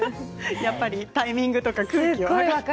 やっぱりタイミングとか空気とか。